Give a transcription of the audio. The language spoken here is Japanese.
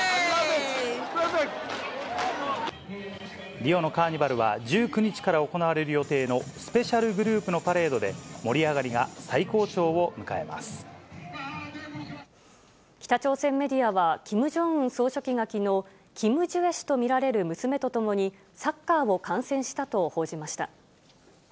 リオのカーニバルは、１９日から行われる予定のスペシャルグループのパレードで、北朝鮮メディアは、キム・ジョンウン総書記がきのう、キム・ジュエ氏と見られる娘と共にサッカーを観戦したと報じました。